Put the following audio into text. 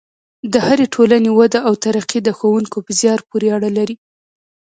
د هرې ټولنې وده او ترقي د ښوونکو په زیار پورې اړه لري.